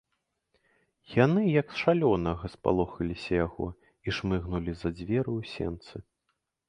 Яны, як шалёнага, спалохаліся яго і шмыгнулі за дзверы ў сенцы.